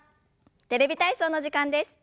「テレビ体操」の時間です。